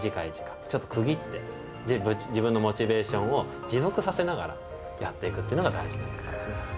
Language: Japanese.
ちょっと区切って自分のモチベーションを持続させながらやっていくっていうのが大事なんです。